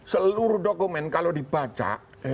seluruh dokumen kalau dibaca